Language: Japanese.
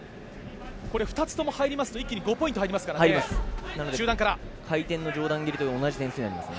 ２つとも入りますと一気に５ポイントですからね。